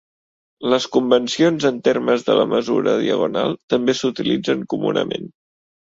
Les convencions en termes de la mesura diagonal també s'utilitzen comunament.